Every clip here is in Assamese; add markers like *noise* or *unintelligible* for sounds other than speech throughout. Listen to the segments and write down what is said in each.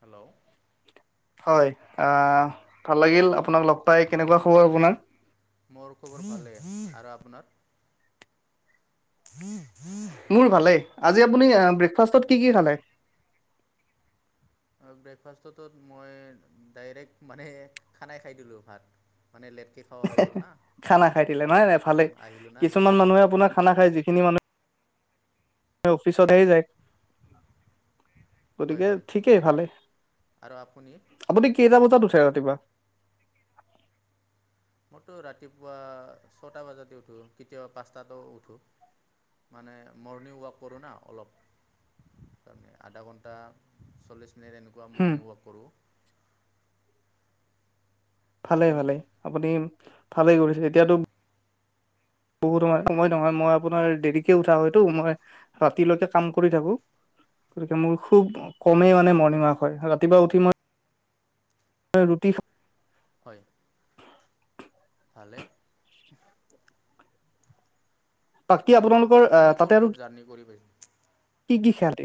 হেল্ল' হয় আ হয় ভাল লাগিল আপোনাক লগ পাই কেনেকুৱা খবৰ আপোনাৰ মোৰ খবৰ ভালেই আৰু আপোনাৰ *unintelligible* মোৰ ভালেই আজি আপুনি ব্ৰেকফাষ্টত কি কি খালে অ ব্ৰেকফাষ্ট ত মই ডাইৰেক্ট মানে খানাই খাই দিলোঁ ভাত মানে লেটকে খোৱা হৈ গ'ল না খানা খাই দিলে নহয় কামত নহয় ভালেই আহিলোঁ না কিছুমান সেইকাৰণে মানুহে আপোনাৰ অঁ খানা খায় যিখিনি মানুহে অফিচতহে যায় হয় গতিকে হয় ঠিকেই ভালে আৰু আপুনি আপুনি কেইটা বজাত উঠ উঠে ৰাতিপুৱা মইতো ৰাতিপুৱা ছটা বজাতে উঠো কেতিয়াবা পাঁচটাতো উঠো মানে মৰ্ণিং ৱাক কৰোঁ না অলপ তামানে আধা ঘণ্টা চল্লিছ মিনিট এনেকুৱা হম মৰ্ণিং ৱাক কৰোঁ ভালেই আপুনি ভালেই আপুনি ভালেই কৰিছে এতিয়াতো বহুত সময় নহয় নহয় মই আপোনাৰ দেৰিকে উঠা হয়টো মই ৰাতিলেকে কাম কৰি থাকো গতিকে মোৰ খুব হয় কমেই হয় মানে মৰ্ণিং ৱাক হয় ৰাতিপুৱা উঠি মই আ ৰুটি হয় ভালে বাকী অ আপোনালোকৰ আপুনি আহ তাতে ক'ত আৰু ক'ত জাৰ্ণি কৰি পাইছে কি কি খ্যাতি?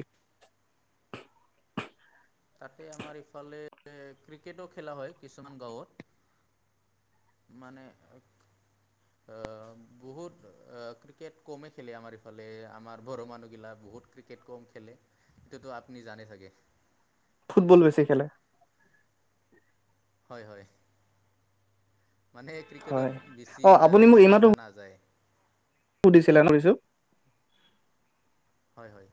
তাতে আমাৰ ইফালে ক্ৰিকেটো খেলা হয় কিছুমান গাঁৱত। মানে অ', বহুত অ', ক্ৰিকেট কমে খেলে আমাৰ ইফালে আমাৰ ঘৰৰ মানুহগিলাক। বহুত ক্ৰিকেট কম খেলে সেটো আপুনি জানে চাগে। ফুটবল বেছি খেলে। হয়, হয়। মানে হয় ক্ৰিকেটত বেছি অ ইণ্টাৰেষ্ট দেখা নাযায়। সুধিছিলা নৰিছো হয়, হয়।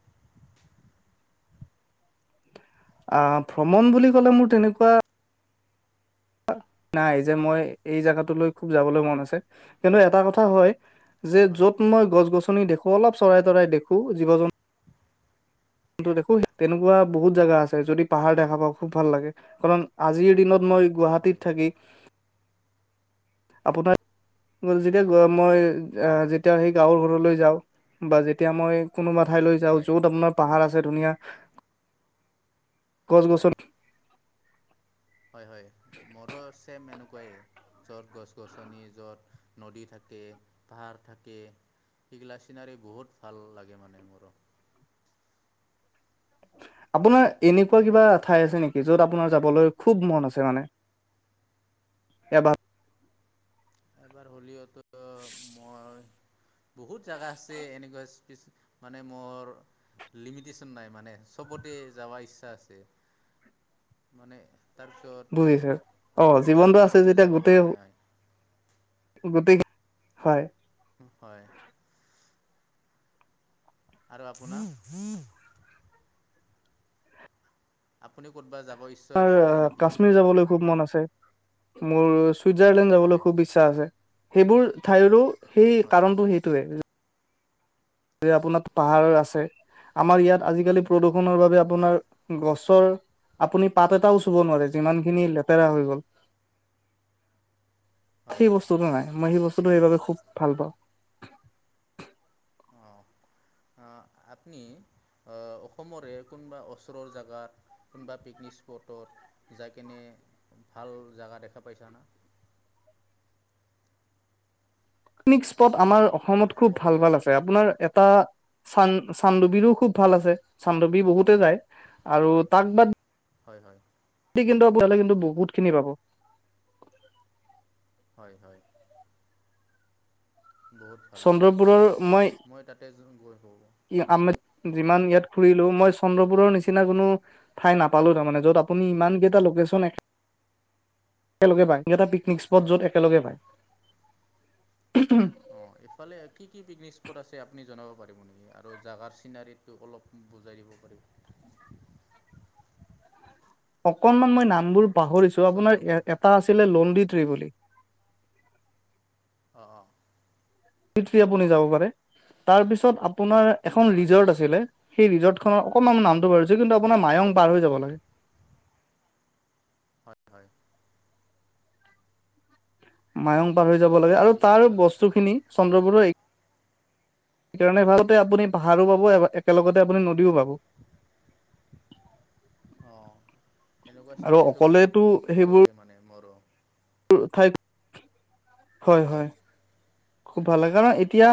অ', ভ্ৰমণ বুলি ক'লে মোৰ তেনেকুৱা নাই যে মই এই জোগাটো লৈ খুব যাবলৈ মন আছে কিন্তু এটা কথা হয়। যে হয় য'ত মই গছ-গছনি দেখো অলপ চৰাই তৰাই দেখো জীৱ- জন্তু দেখো তেনেকুৱা বহুত জোগা আছে যদি পাহাৰ অঁ দেখা পাওঁ খুব ভাল লাগে। কাৰণ আজিৰ দিনত মই হয় গুৱাহাটীত থাকি আপোনাৰ যেতিয়া মই হয় হয় যেতিয়া সেই গাঁৱৰ। ওলাই যাওঁ বা যেতিয়া মই কোনোবা ঠাইলৈ যাওঁ হয় য'ত আপোনাৰ পাহাৰ আছে ধুনীয়া। হয় গছ-গছনি। হয় হয় মোৰো ছেম এনেক। *unintelligible* য'ত গছ-গছনি, য'ত নদী থাকে, পাহাৰ থাকে। সেইগিলা চিনাৰী বহুত ভাল লাগে মানে মোৰো। আপোনাৰ এনেকুৱা কিবা অ' ঠাই আছে নেকি? য'ত আপোনাৰ যাবলৈ খুব মন আছে মানে। *inaudible* এবাৰ। এবাৰ হলিয়টো। বহুত জাগা আছে এনেকুৱা স্পীচ মানে মোৰ লিমিটেচোন নাই মানে চবতে যাবা ইচ্ছা আছে মানে। তাৰপিছত বুজিছে অ অসুবিধাৰ জীৱনটো আছে কাৰণে যেতিয়া যাব গোটেই পৰা নাই। গোটেই, হয়। হয়। আৰু আপোনাৰ? আপুনি ক'তবা যাব? ইচ্ছা আছে তোমাৰ নেকি? কাশ্মীৰ যাবলৈ খুব মন আছে মোৰ চুইজাৰলেণ্ড যাবলৈ হয় খুব ইচ্ছাস আছে সেইবোৰ ঠাইৰো সেই হয় কাৰণটো সেইটোৱে আপোনাৰ পাহাৰ আছে। আমাৰ ইয়াত হয় আজিকালি প্ৰদূষণৰ বাবে হয় আপোনাৰ গছ আপুনি পাত এটাও চুব নোৱাৰে যিমানখিনি লেতেৰা হৈ গ'ল। হয় সেই বস্তুটো নাই, মই সেই বস্তুটো অ' সেইবাবে খুব ভাল পাওঁ। অ', অ ', আপনি অসমৰে কোনোবা ওচৰৰ জাগাত কোনোবা পিকনিক স্পটত যাই কিনে ভাল জেগা দেখা পাইছা না? পিকনিক স্পট আমাৰ অসমত খুব অসমতে ভাল থাকা ভাল আছে। আপোনাৰ এটা চান চান্দুবিৰো খুব ভাল আছে। চান্দুবীৰ বহুতে যায়। আৰু হয় তাক বাদ হয়, হয়। কিন্তু আপোনালে কিন্তু বহুত খিনি পাব। হয়, হয়। বহুত ভাল জা চন্দ্ৰপুৰৰ মই তাতে গৈ পো আমি যিমান ইয়াত ঘুৰিলো মই চন্দ্ৰপুৰৰ নিচিনা কোনো ঠাই নাপালো তাৰমানে য'ত আ আপুনি ইমান কেইটা লোকেচন একেলগে পায় *unintelligible* পিকনিক স্পট য'ত অঁ একেলগে পায় অ ইফালে কি কি পিকনিক আছে আপুনি জনাব পাৰিব নেকি? আৰু জাগাৰ চিনাৰীটো অলপ বুজাই দিব পাৰিব? অকনমান মই নামবোৰ পাহৰিছো আপোনাৰ চন্দ্ৰপুৰ এ এটা আছিলে লনডি বুলি *inaudible* অ। আপুনি যাব পাৰে, তাৰপিছত আপোনাৰ এখন হয় ৰিজৰ্ট আছিলে সেই ৰিজৰ্ট খনৰ অকণমান নামটো পাহৰিছো কিন্তু আপোনাৰ মায়ং পাৰ হৈ যাব লাগে হয়, হয়। মায়ং অঁ পাৰ হৈ যাব লাগে আৰু তাৰ বস্তু খিনি চন্দ্ৰপুৰৰ অঁ। সেইকাৰণে ভাবতে আপুনি পাহাৰো পাব একেলগতে আপুনি নদীও পাব। *unintelligible* অ', সেনেকুৱা আৰু চিনাৰীটো অকলেতো বহুত ভাল লাগে মানে মোৰো। ঠাই। হয়, হয়। খুব ভাল লাগে কাৰণ এতিয়া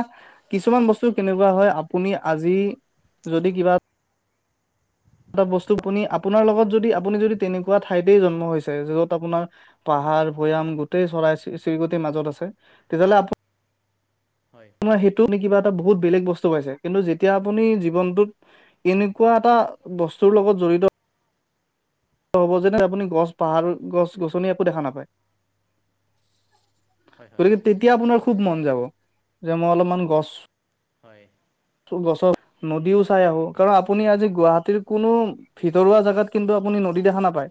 কিছুমান বস্তু কেনেকুৱা হয় আপুনি আজি যদি কিবা এটা বস্তু আপুনি আপোনাৰ লগত যদি আপুনি হয় যদি তেনেকুৱা ঠাইতেই জ হৈছে য'ত আপোনাৰ পাহাৰ ভৈয়াম গোটেই চৰাই চিৰিকটিৰ মাজত আছে তেতিয়াহ'লে আপ হয় তাৰ সেইটো নে কিবা এটা বহুত বেলেগ বস্তু পাইছে কিন্তু যেতিয়া আপুনি জীৱনটোত এনেকুৱা এটা বস্তুৰ লগত জড়িত হ'ব যেনে আপুনি গছ পাহাৰ গছ-গছনি একো দেখা নাপায়। হয় হয় গতিকে তেতিয়া আপোনাৰ খুব মন যাব যে মই অলপমান গছ হয় গছৰ নদীও চাই আহো কাৰণ আপুনি আজি গুৱাহাটীৰ কোনো ভিতৰুৱা জাগাত কিন্তু আপুনি নদী দেখা নাপায়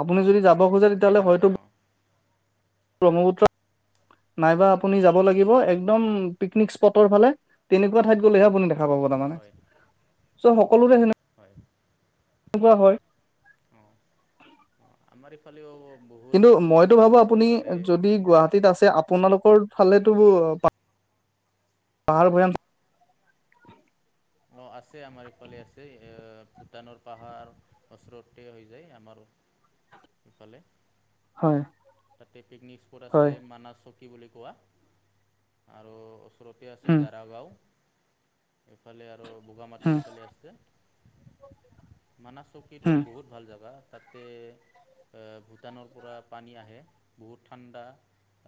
আপুনি যদি যাব খোজে তেতিয়াহ'লে দেখা হয়তো নাপায় অঁ ব্ৰহ্মপুত্ৰ নাইবা আপুনি যাব লাগিব হয় একদম পিকনিক স্পটৰ ফালে তেনেকুৱা ঠাইত গ'লেহে আপুনি দেখা পাব তাৰ মানে হয় চ' সকলোৰে হ হয়। কোনো বা হয়। আমাৰফালে হ'ব। কিন্তু মইতো ভাবো আপুনি যদি গুৱাহাটীত আছে আপোনালোকৰ ফালেতো পা পাহাৰ ভৈয়াম অ'। আছে আমাৰ ইফালে আছে ভূটানৰ পাহাৰ ওচৰতে হৈ যায় আমাৰ ইফালে হয় তাতে পিকনিক স্পট আছে হয় মানা চকী বুলি কোৱা আৰু ওচৰতে আছে হম দাৰাগাঁও এইফালে আৰু বগামাটি হম ইফালে আছে। মানছ চৌকীটো হম বহুত ভাল জেগা তাতে ভূটানৰ পৰা পানী আহে। বহুত ঠাণ্ডা।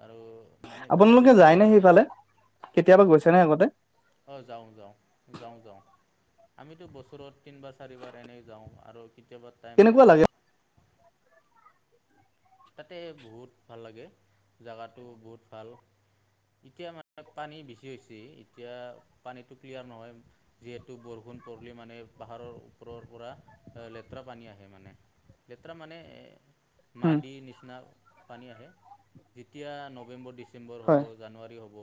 আৰু মানে ক্ৰিষ্টেল আপোনালোকে যায়নে ক্লিয়াৰ আৰু সেইফালে? কেতিয়াবা গৈছে নাই আগতে? অ', যাওঁ, যাওঁ, যাওঁ, যাওঁ। আমিতো বছৰত তিনিবাৰ চাৰিবাৰ এনেই যাওঁ আৰু কেতিয়াবা টাইম কেনেকুৱা লাগে তাতে বহুত ভাল লাগে জোগাটো বহুত ভাল। এতিয়া মানে পানী বেছি হৈছে এতিয়া পানীটো ক্লিয়াৰ নহয় যিহেতু বৰষুণ ষুণ পৰিলি মানে পাহাৰৰ ওপৰৰ পৰা লেতেৰা পানী আহে মানে। লেতৰা মানে উম মাটিৰ নিচিনা পানী আহ যেতি নৱেম্বৰ ডিচেম্বৰ হ'ব হয় জানুৱাৰী হ'ব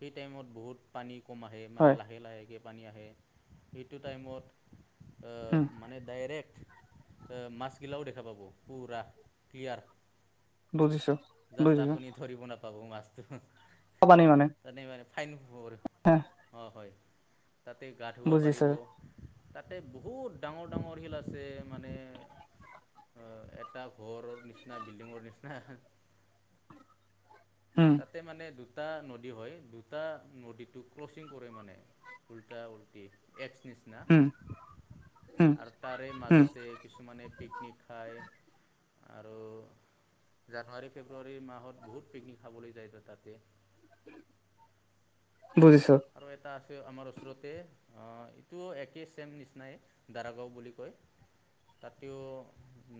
সেই টাইমত বহুত পানী কম আহে মানে হয় লাহে লাহেকৈ পানী আহে সেইটো উম টাইমত মানে ডাইৰেক্ট মাস্কগিলাও দেখা পাব পুৰা ক্লিয়াৰ বুজিছো বুজিছো চব মাছতু হু কব নে মানে ফাইন হে ব়অহয় তাতে গা ধুব বুজিছো পাৰিব তাতে বহুত ডাঙৰ ডাঙৰ শিল আছে মানে এটা ঘৰ নিচিনা বিল্ডিংৰ নিচিনা উম তাতে মানে দু দুটা নদী হয় দুটা নদীটো ক্ৰচিং কৰে মানে উল্টা উল্টি এক্স উম উম আৰু তাৰে উম মাজতে কিছুমান পিক পিকনিক খায় আৰু জানুৱাৰী ফেব্ৰুৱাৰী মাহত বহুত পিকনিক খাবলৈ যায় ত তাতে বুজিছ আৰু এটা আছে আমাৰ ওচৰতে এইটো একেই চছেম নিচিনাই দাৰাগাঁও বুলি কয় তাতও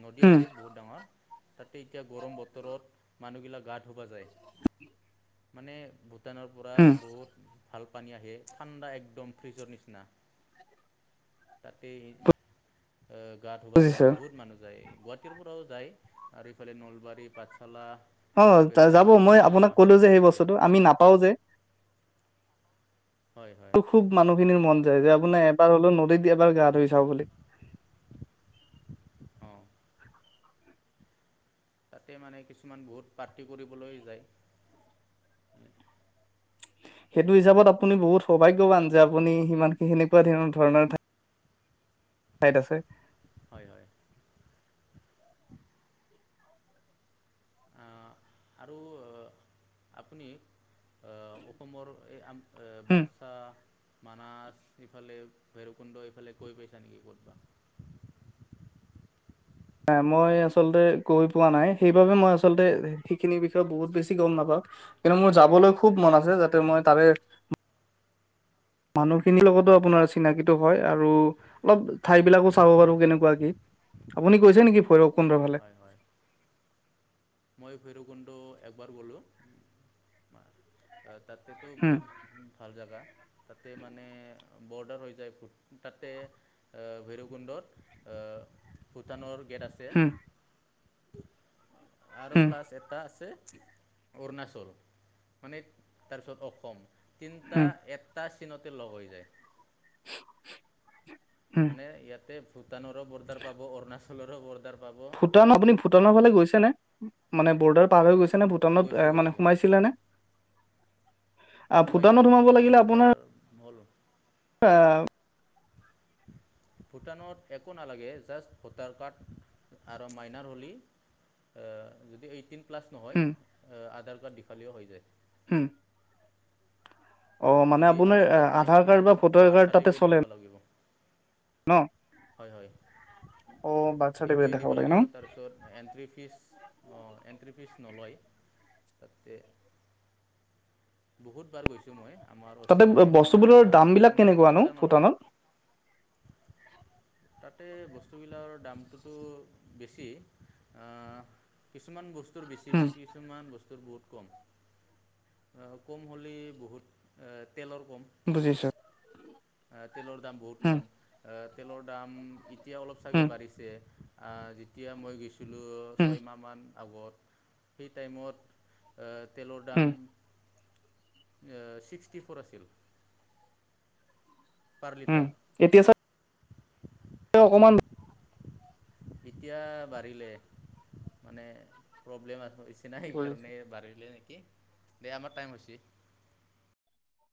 নদী উম আছে বহুত ডাঙৰ তাতে এতিয়া গৰম বতৰত মানুহগিলাক গা ধুবা যায় *unintelligible* মানে ভূটানৰ পৰা উম বহুত ভাল পানী আহে ঠাণ্ডা একদম ফ্ৰিজৰ নিচিনা ততে গা ধুবা যায় বুজিছো বহুত মানুহ যায় গুৱাহাটীৰ পৰাও যায় আৰু ইফালে নলবাৰী পাঠশালা অ বৰপেটা যাব মই বহুত মানুহ আপোনাক আহে কলো যে মানে সেই এতিয়া বস্তুটো আমি নাপাও যে হয় হয় আৰু খুব মানুহখিনিৰ মন আপোনাৰ এবাৰ হ'লেও নদীত এবাৰ গা ধুই চাও বুলি অঁ তাতে মানে কিছুমান বহুত পাৰ্টি কৰিবলৈ যায় সেইটো হিচাপত আপুনি বহুত সৌভাগ্যৱান যে আপুনি সিমানখিনি সেনেকুৱা ধ ধৰণৰাক ঠাইত আছে হয় হয় আৰু আপুনি অসমৰ এই হম বাক্সা মানছ ইফালে ভৈৰৱকুণ্ড ইফালে কৈ পাইছা নেকি ক'তব *unintelligible* ন মই আচলতে গৈ পোৱা নাই সেইবাবে মই আচলতে সেইখিনিৰ বিষয়ে বহুত বেছি গম নাপাওঁ কিন্তু মোৰ যাবলৈ খুব মন আছে যাতে মই হয়। তাৰে মানুহখিনিৰ লগতো আপোনাৰ চিনাকিতো হয় আৰু অলপ ঠাই বিিলাকো চাব পাৰো কেনেকুৱা কি আপুনি কৈছে নেকি ভৈৰৱ কুমৰা ফালে হয় হয় মই ভৈৰৱকুণ্ড একবাৰ বলো তাতেতো হম বহুত ভাল জেগা তাতে মানে বৰ্ডাৰ হৈ যায় তাতে ভৈৰুৱকুণ্ডত ভূটানৰ গেট আছে হম আৰু হম প্লাছ এটা আছে অৰুণাচল মানে তাৰপিছত অসম তিনিটা হম এটা িনতে লগ হৈ যায় *unintelligible* মানে ইয়াতে ভূটানৰো বৰ্ডাৰ পাব অৰুণাচলৰো বৰ্ডাৰ পাব ভূটান আপুনি ভূটানৰ ফালে গৈছে নে মানে বৰ্ডাৰ পাৰ হৈ গৈছে ে ভূটানত গৈছোঁ এ মানে গৈছোঁ সোমাইছিলে নে আহ সোমাইছো ভূটানত সোমাব মই দহ বাৰ হ'লো অ ভূটানত একো নালাগে জাষ্ট ভোটাৰ কাৰ্ড আৰু মাইনাৰ হ'লী হম আধাৰ কাৰ্ড দেখালেও হৈ যায় হম অ' মানে যদি আপোনাৰ আধাৰ কাৰ্ড নাই আধাৰ কাৰ্ড বা কিছুমানৰ ভোটাৰ বাৰ্থ কাৰ্ড তাতে চাৰ্টিফিকেট চলে দেখাব লাগিব ন হয় হয় অ বাৰ্থ চাৰ্টিফিকেট এইটোৱে দেখাব দিব লাগে ন লাগিব তাৰপিছত এণ্ট্ৰি ফিজ অ' এণ্ট্ৰি পিচ নলয় তাতে বহুত বাৰ গৈছো আমাৰ তাতে ওচৰৰে হয় ন বস্তুবোৰৰ আমাৰ দাম বিলাক পঞ্চাছ কেনেকুৱানো কিলোমিটাৰ মান হয় ভূটানত ততে বস্তুবিলাকৰ দামটোতো বেছি কিছুমান বস বেছি হুম কিছুমান বস্তু ব বুজিছ তেলৰ দাম বহুত কম তেলৰ দাম এতিয়া অলপ চাগে হুম বাঢ়িছে। যেতিয়া মই গৈছিলোঁ হুম ছয়মাহমান আগত সেই টাইমত তেলৰ হুম দাম ছিক্সটি ফ'ৰ আছিল। পাৰ উম লিটাৰ এতিয়া চ অকমান এতিয়া বাঢ়িলে মানে প্ৰব্লেম নিচিনাাই সেইকাৰণে বাঢ়িলে নেকি দে আমাৰ টাইম হৈছে।